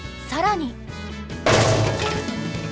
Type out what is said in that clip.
更に！